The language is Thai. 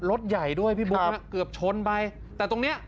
รถใหญ่ด้วยพี่บุ๊คเกือบชนไปแต่ตรงเนี้ย